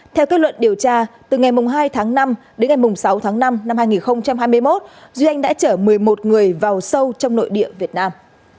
theo kết luận điều tra từ ngày hai tháng năm đến ngày sáu tháng năm năm hai nghìn hai mươi một duy anh đã chở một mươi một người vào sâu trong nội địa việt nam